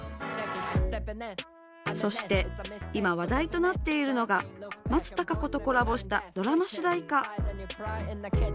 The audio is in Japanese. そして、今話題となっているのが松たか子とコラボしたドラマ主題歌。